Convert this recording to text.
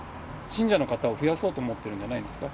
信者の方を増やそうと思っているんじゃないですか。